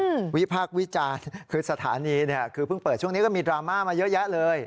วิพากษ์วิจารณ์คือสถานีเนี้ยคือเพิ่งเปิดช่วงนี้ก็มีดราม่ามาเยอะแยะเลย